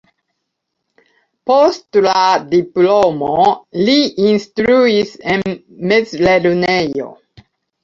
Post la diplomo li instruis en mezlernejo.